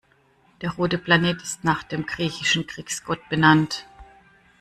Der rote Planet ist nach dem griechischen Kriegsgott benannt.